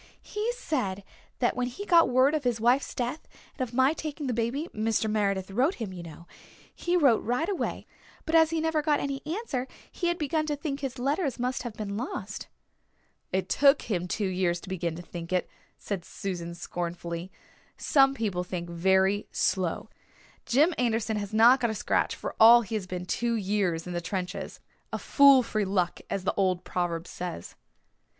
"He said that when he got word of his wife's death and of my taking the baby Mr. Meredith wrote him, you know he wrote right away, but as he never got any answer he had begun to think his letter must have been lost." "It took him two years to begin to think it," said Susan scornfully. "Some people think very slow. Jim Anderson has not got a scratch, for all he has been two years in the trenches. A fool for luck, as the old proverb says."